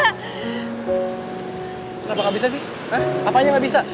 kenapa nggak bisa sih apa aja nggak bisa